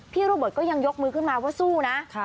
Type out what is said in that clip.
โรเบิร์ตก็ยังยกมือขึ้นมาว่าสู้นะ